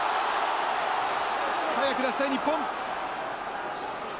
早く出したい日本。